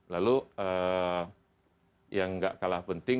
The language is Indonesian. lalu yang gak kalah penting